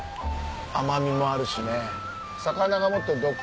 甘みもあるしね。